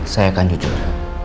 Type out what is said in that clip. saya akan jujur